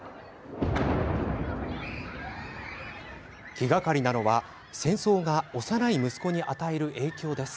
気がかりなのは戦争が幼い息子に与える影響です。